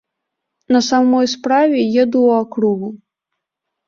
На самой справе, еду ў акругу.